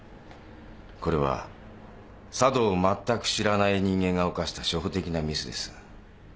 これは茶道をまったく知らない人間が犯した初歩的なミスです。